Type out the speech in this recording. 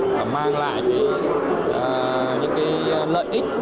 và mang lại những cái lợi ích